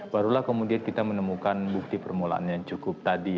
barulah kemudian kita menemukan bukti permulaan yang cukup tadi